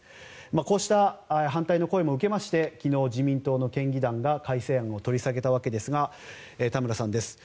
こうした反対の声も受けて昨日、自民党の県議団が改正案を取り下げたわけですが田村さんです。